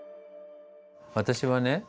私はね